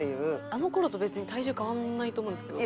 あの頃と別に体重変わらないと思うんですけど。